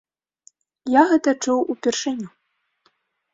Я гэта чуў упершыню.